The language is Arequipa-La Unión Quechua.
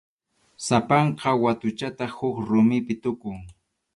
Sapanka watuchataq huk rumipi tukun.